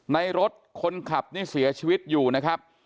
รถคนขับนี่เสียชีวิตอยู่นะครับ